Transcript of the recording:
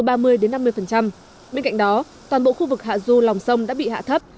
bên cạnh đó toàn bộ khu vực hạ du lòng sông đã bị hạ thấp